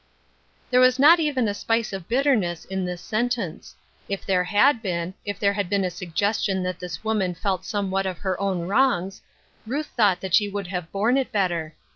There was not even a spice of bitterness in vhis sentence. If there had been — if there had lOeen a suggestion that this woman felt some what of her own wrongs, Ruth thought that she could have borne it better.